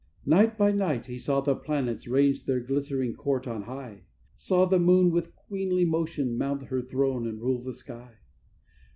Night by night he saw the planets range their glittering court on high, Saw the moon, with queenly motion, mount her throne and rule the sky.